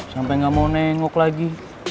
sampai gak mau nengok lagi